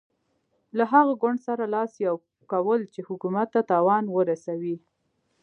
له هغه ګوند سره لاس یو کول چې حکومت ته تاوان ورسوي.